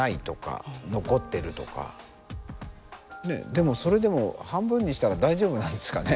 でもそれでも半分にしたら大丈夫なんですかね。